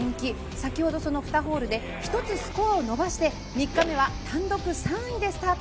先ほどその２ホールで２つスコアを伸ばして３日目は単独３位でスタート。